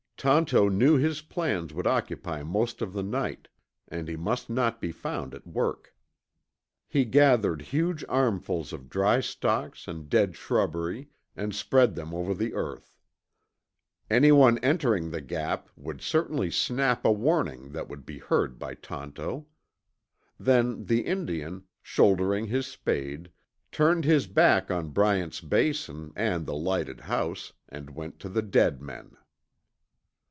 Tonto knew his plans would occupy most of the night, and he must not be found at work. He gathered huge armfuls of dry stalks and dead shrubbery, and spread them over the earth. Anyone entering the Gap would certainly snap a warning that would be heard by Tonto. Then the Indian, shouldering his spade, turned his back on Bryant's Basin and the lighted house, and went to the dead men.